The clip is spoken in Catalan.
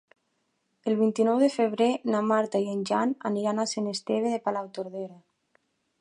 El vint-i-nou de febrer na Marta i en Jan aniran a Sant Esteve de Palautordera.